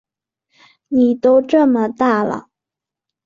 妳都这么大了